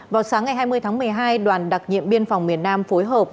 vào sáng ngày hai mươi tháng một mươi hai đoàn đặc nhiệm biên phòng miền nam phối hợp